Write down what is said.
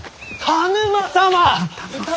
田沼様。